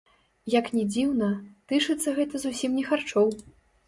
Як ні дзіўна, тычыцца гэта зусім не харчоў.